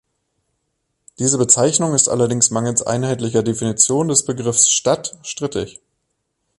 Diese Bezeichnung ist allerdings mangels einheitlicher Definition des Begriffes „Stadt“ strittig.